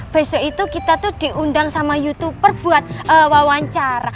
besok itu kita tuh diundang sama youtuber buat wawancara